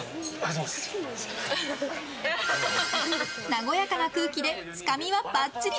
和やかな空気でつかみはばっちり。